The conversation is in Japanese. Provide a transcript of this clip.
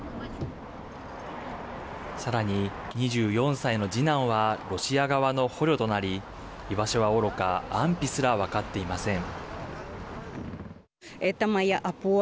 さらに、２４歳の次男はロシア側の捕虜となり居場所はおろか安否すら分かっていません。